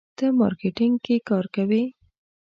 ته مارکیټینګ کې کار کوې.